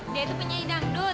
dia itu penyanyi dangdut